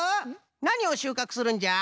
なにをしゅうかくするんじゃ？